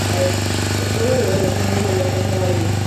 El fuego de los rifeños había alcanzado a Vila.